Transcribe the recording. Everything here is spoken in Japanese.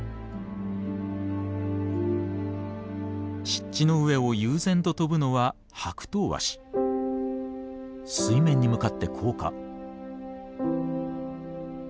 湿地の上を悠然と飛ぶのは水面に向かって降下。